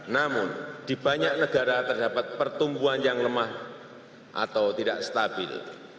namun di banyak negara terdapat pertumbuhan yang lemah atau tidak stabil